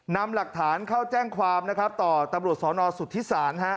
นำหลักฐานเข้าแจ้งความนะครับต่อตำรวจสนสุธิศาล